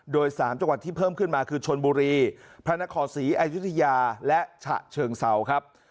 โดย๓จังหวัดที่เพิ่มขึ้นมาคือชนบุรีพระนครศรีอายุทยาและฉะเชิงเศร้าครับ